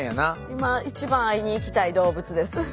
今一番会いに行きたい動物です。